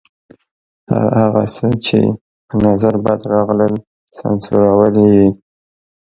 هر هغه څه چې په نظر بد راغلل سانسورول یې.